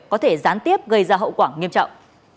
có thể gián tiếp gây ra hậu quả nghiêm trọng